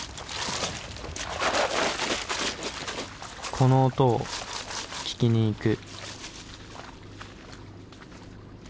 この音を聴きに行く。